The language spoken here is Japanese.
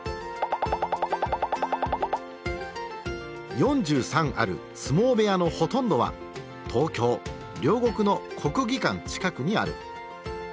４３ある相撲部屋のほとんどは東京・両国の国技館近くにある。